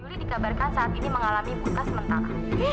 juli dikabarkan saat ini mengalami buka sementara